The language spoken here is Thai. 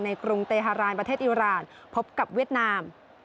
กรุงเตฮารานประเทศอิราณพบกับเวียดนาม